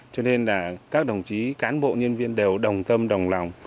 cho nên là các đồng chí cán bộ nhân viên đều đồng tâm đồng lòng